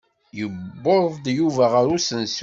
Yuweḍ Yuba ɣer usensu.